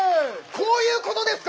こういうことですか⁉